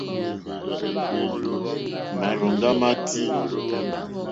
Màrzòŋɡá má tʃí.